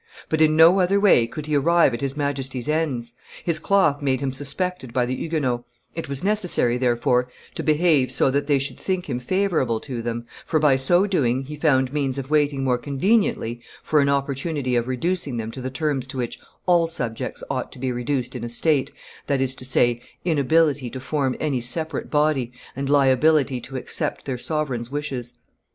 But in no other way could he arrive at his Majesty's ends. His cloth made him suspected by the Huguenots; it was necessary, therefore, to behave so that they should think him favorable to them, for by so doing he found means of waiting more conveniently for an opportunity of reducing them to the terms to which all subjects ought to be reduced in a state, that is to say, inability to form any separate body, and liability to accept their sovereign's wishes.